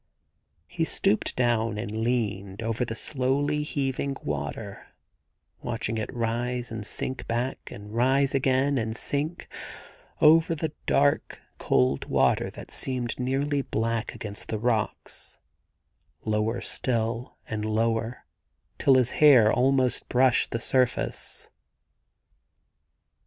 He stooped down and leaned over the slowly heaving water, watching it rise and sink back, and rise again and sink — over the dark, cold water that seemed nearly black against the rocks — lower still, and lower, till his hair almost brushed the surface.